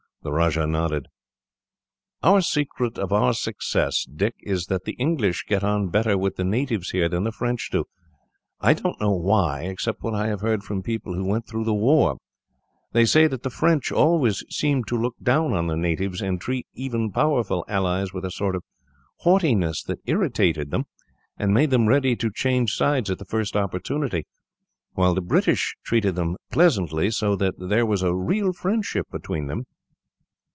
The Rajah nodded. "One secret of our success, Dick, is that the English get on better with the natives here than the French do I don't know why, except what I have heard from people who went through the war. They say that the French always seemed to look down on the natives, and treated even powerful allies with a sort of haughtiness that irritated them, and made them ready to change sides at the first opportunity; while the British treated them pleasantly, so that there was a real friendship between them."